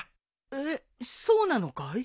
えっそうなのかい？